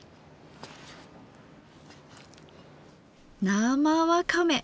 生わかめ！